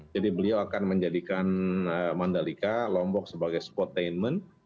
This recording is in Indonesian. jadi beliau akan menjadikan mandalika lombok sebagai spotainment